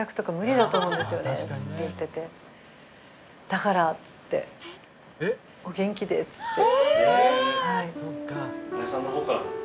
「だから」って言って「お元気で」って言って。